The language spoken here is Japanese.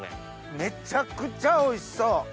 めちゃくちゃおいしそう！